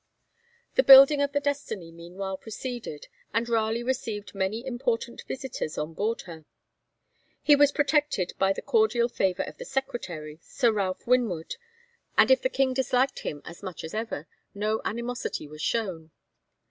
The building of the 'Destiny' meanwhile proceeded, and Raleigh received many important visitors on board her. He was protected by the cordial favour of the Secretary, Sir Ralph Winwood; and if the King disliked him as much as ever, no animosity was shown.